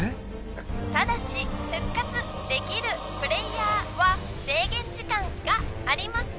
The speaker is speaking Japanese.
ただし復活できるプレイヤーは制限時間があります。